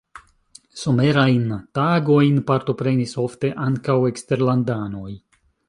Somerajn tagojn partoprenis ofte ankaŭ eksterlandanoj.